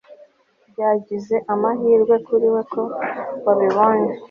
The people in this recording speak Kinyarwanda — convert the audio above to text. byagize amahirwe kuriwe ko wabibonye